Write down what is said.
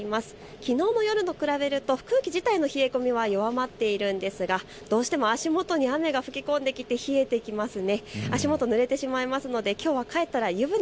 きのうの夜と比べると空気自体の冷え込みは弱まっていますが足元に雨が吹き込んできて冷えてしまいますね。